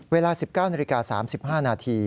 เวลา๑๙นาฬิกา๓๕นาที